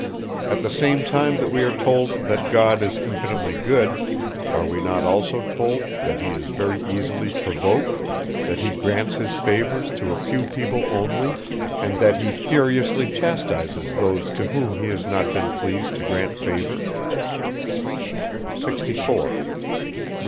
At the same time that we are told, that God is infinitely good, are we not also told, that he is very easily provoked, that he grants his favours to a few people only, and that he furiously chastises those, to whom he has not been pleased to grant favours?